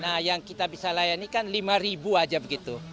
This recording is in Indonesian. nah yang kita bisa layani kan lima ribu aja begitu